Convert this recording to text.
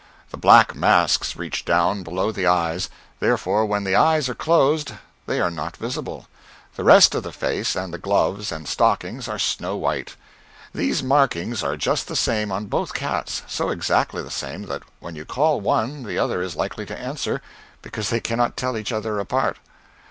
The black masks reach down below the eyes, therefore when the eyes are closed they are not visible; the rest of the face, and the gloves and stockings, are snow white. These markings are just the same on both cats so exactly the same that when you call one the other is likely to answer, because they cannot tell each other apart.